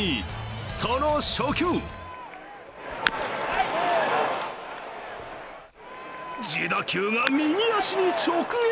その初球自打球が右足に直撃！